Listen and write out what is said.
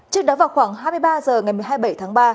trước đó vào khoảng hai mươi ba h ngày một mươi bảy tháng ba